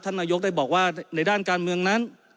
นายกได้บอกว่าในด้านการเมืองนั้น